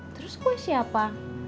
terus kue siapa